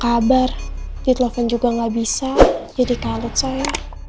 gak sabar ditelofan juga gak bisa jadi kalut soya